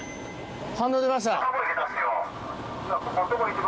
反応出ました。